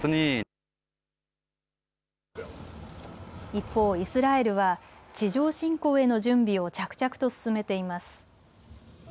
一方、イスラエルは地上侵攻への準備を着々と進めています。